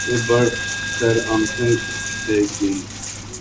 یہ پڑھ کر آنکھیں بھیگ گئیں۔